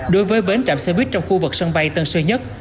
đối với bến chạm xe buýt trong khu vực sân bay tân sơn nhất